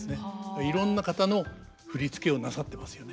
いろんな方の振り付けをなさってますよね。